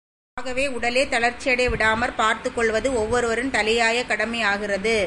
ஆகவே, உடலை தளர்ச்சியடைய விடாமற்பார்த்துக் கொள்வது ஒவ்வொருவரின் தலையாய கடமையாகிறது.